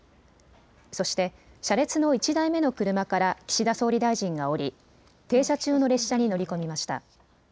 そして車列の１台目の車から岸田総理大臣が降り停車中の列車に乗り込みました。